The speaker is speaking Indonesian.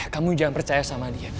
kamu jangan percaya sama dia